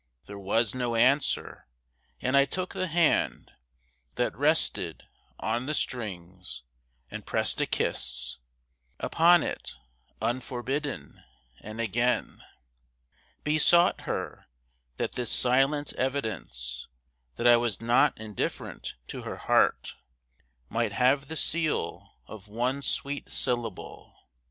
There was no answer, and I took the hand That rested on the strings, and pressed a kiss Upon it unforbidden and again Besought her, that this silent evidence That I was not indifferent to her heart, Might have the seal of one sweet syllable.